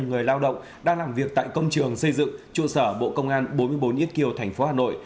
người lao động đang làm việc tại công trường xây dựng trụ sở bộ công an bốn mươi bốn yết kiều thành phố hà nội